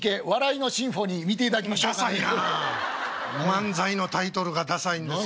漫才のタイトルがダサいんですよ。